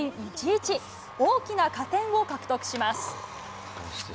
大きな加点を獲得します。